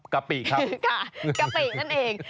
กะปิครับกะปินั่นเอง